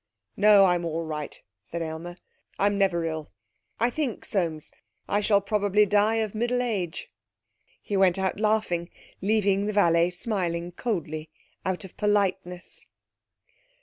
'No. I'm all right,' said Aylmer. 'I'm never ill. I think, Soames, I shall probably die of middle age.' He went out laughing, leaving the valet smiling coldly out of politeness.